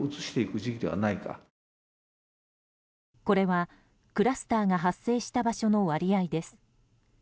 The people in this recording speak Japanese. これは、クラスターが発生した場所の割合です。